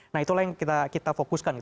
nah itulah yang kita fokuskan